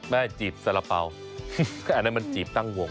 แม่จีบสาระเป๋าแม่น้ำมันจีบตั้งวง